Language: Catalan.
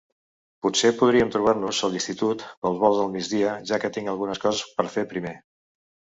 Potser podríem trobar-nos a l'institut pels volts del migdia, ja que tinc algunes coses per fer primer.